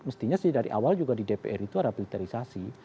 mestinya sih dari awal juga di dpr itu ada filterisasi